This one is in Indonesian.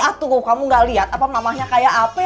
aduh kamu nggak lihat apa mamahnya kayak apa ya